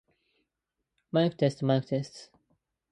There she fought alongside her husband Black Coyote.